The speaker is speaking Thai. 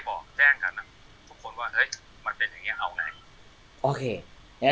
ผมก็จะบอกแจ้งกัน